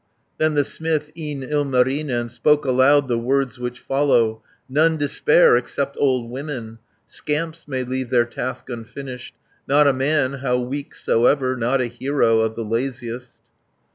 Then the smith, e'en Ilmarinen, Spoke aloud the words which follow: 290 "None despair, except old women, Scamps may leave their task unfinished; Not a man, how weak soever, Not a hero of the laziest!"